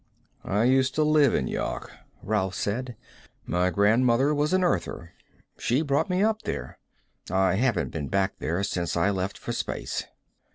"I used to live in Yawk," Rolf said. "My grandmother was an Earther; she brought me up there. I haven't been back there since I left for space."